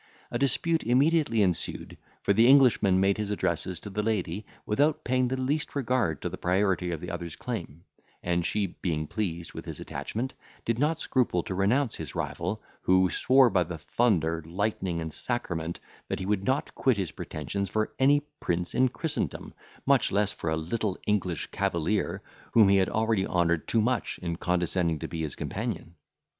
A dispute immediately ensued; for the Englishman made his addresses to the lady, without paying the least regard to the priority of the other's claim; and she, being pleased with his attachment, did not scruple to renounce his rival, who swore by the thunder, lightning, and sacrament, that he would not quit his pretensions for any prince in Christendom, much less for a little English cavalier, whom he had already honoured too much in condescending to be his companion.